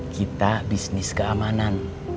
kita bisnis keamanan